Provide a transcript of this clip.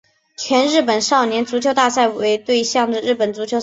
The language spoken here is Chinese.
全日本少年足球大赛为对象的日本足球赛会制赛事。